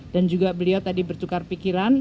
dan juga beliau tadi bertukar pikiran